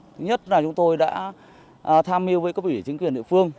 thứ nhất là chúng tôi đã tham mưu với các vị chính quyền địa phương